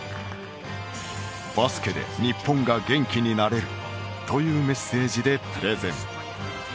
「バスケで日本が元気になれる」というメッセージでプレゼン。